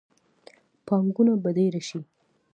پانګونه به ډیره شي.